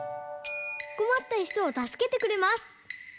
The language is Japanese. こまったひとをたすけてくれます。